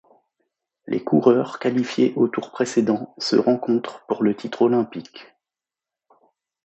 Les coureurs qualifiés au tour précédent se rencontrent pour le titre olympique.